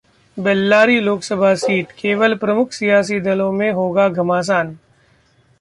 Bellary Lok Sabha seat: केवल प्रमुख सियासी दलों में होगा घमासान